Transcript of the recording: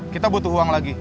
kita butuh uang lagi